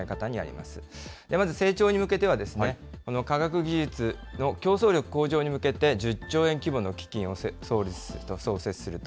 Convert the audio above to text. まず成長に向けては、この科学技術の競争力向上に向けて、１０兆円規模の基金を創設すると。